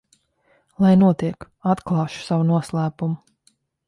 Lai notiek, atklāšu savu noslēpumu.